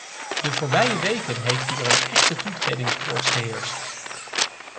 De voorbije weken heeft hier een echte toetredingskoorts geheerst.